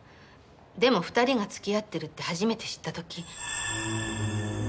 でも２人が付き合ってるって初めて知った時。